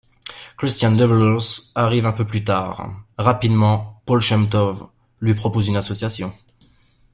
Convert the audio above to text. Christian Devillers arrive un peu plus tard, rapidement Paul Chemetov lui propose une association.